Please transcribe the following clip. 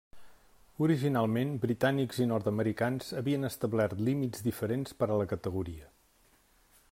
Originalment britànics i nord-americans havien establert límits diferents per a la categoria.